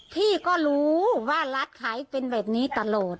พี่ก็รู้ว่าร้านขายเป็นแบบนี้ตลอด